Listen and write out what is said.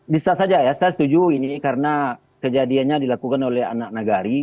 bisa saja ya saya setuju ini karena kejadiannya dilakukan oleh anak nagari